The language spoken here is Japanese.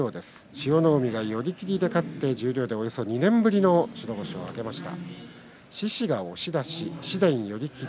千代の海が寄り切りで勝って十両では２年ぶりの白星を挙げました。